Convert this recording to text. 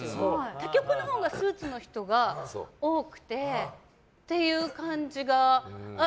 他局のほうがスーツの人が多くてっていう感じが。